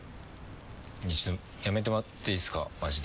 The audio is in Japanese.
やめてもらっていいですかマジで。